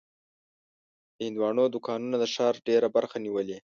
د هندوانو دوکانونه د ښار ډېره برخه نیولې.